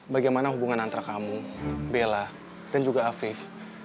bagaimana hubungan antara kamu bella dan juga afif